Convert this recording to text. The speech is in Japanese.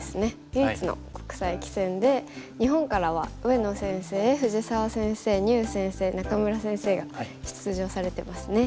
唯一の国際棋戦で日本からは上野先生藤沢先生牛先生仲邑先生が出場されてますね。